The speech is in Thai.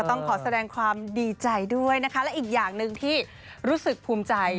ต้องขอแสดงความดีใจด้วยนะคะและอีกอย่างหนึ่งที่รู้สึกภูมิใจ